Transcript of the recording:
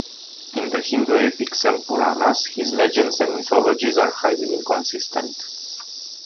In the Hindu Epics and Puranas, his legends and mythologies are highly inconsistent.